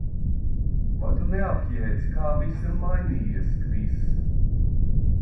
Vai tu neapjēdz, kā viss ir mainījies, Kris?